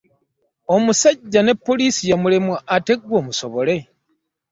Omusajja ne poliisi yamulemwa ate ggwe omusobole!